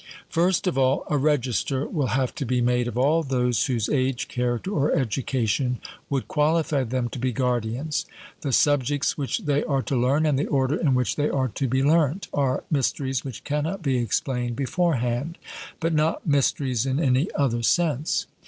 First of all a register will have to be made of all those whose age, character, or education would qualify them to be guardians. The subjects which they are to learn, and the order in which they are to be learnt, are mysteries which cannot be explained beforehand, but not mysteries in any other sense.